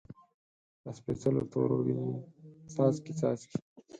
د سپیڅلو تورو، وینې څاڅکي، څاڅکي